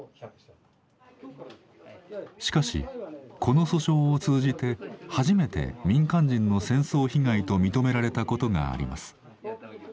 しかしこの訴訟を通じて初めて民間人の戦争被害と認められたことがあります。